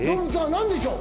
何でしょう？